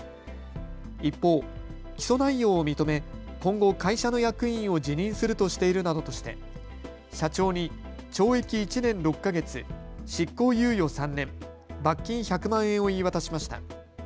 一方、起訴内容を認め今後、会社の役員を辞任するとしているなどとして社長に懲役１年６か月、執行猶予３年、罰金１００万円を言い渡しました。